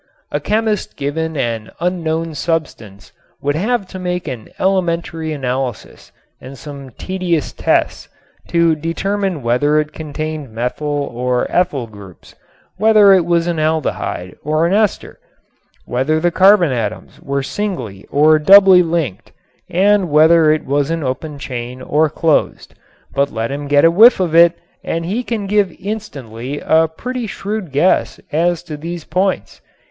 A chemist given an unknown substance would have to make an elementary analysis and some tedious tests to determine whether it contained methyl or ethyl groups, whether it was an aldehyde or an ester, whether the carbon atoms were singly or doubly linked and whether it was an open chain or closed. But let him get a whiff of it and he can give instantly a pretty shrewd guess as to these points.